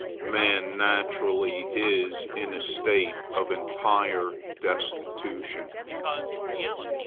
Man naturally is in a state of entire destitution.